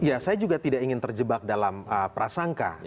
ya saya juga tidak ingin terjebak dalam prasangka